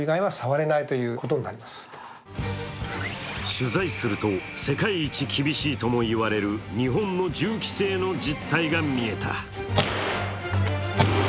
取材すると、世界一厳しいともいわれる日本の銃規制の実態がみえた。